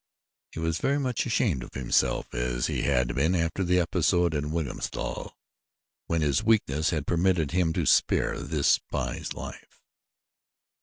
He was very much ashamed of himself as he had been after the episode in Wilhelmstal when his weakness had permitted him to spare this spy's life.